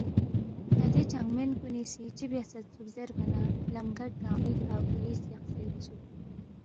تا دے چنگمین کُنی سی چِہ بیاسیدسُوک زیربا نہ لم گٹ گنگمی کھہ پولیس یقسے یودسُوک